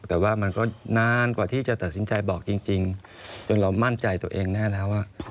แต่ว่ามันก็นานกว่าที่จะตัดสินใจบอกจริงจนเรามั่นใจตัวเองแน่แล้วว่า